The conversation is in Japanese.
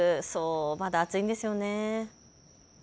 まだ暑いんですよね。